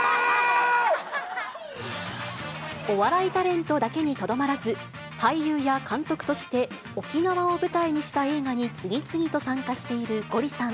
お笑いタレントだけにとどまらず、俳優や監督として沖縄を舞台にした映画に次々と参加しているゴリさん。